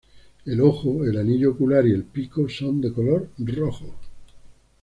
El ojo, el anillo ocular y el pico son de color rojo.